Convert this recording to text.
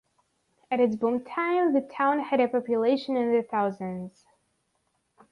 At its boomtime, the town had a population in the thousands.